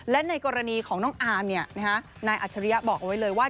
และในกรณีของน้องอาร์มนายอัจฉริยะบอกเอาไว้เลยว่า